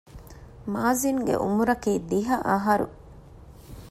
މާޒިންގެ އުމުރަކީ ދިހަ އަހަރު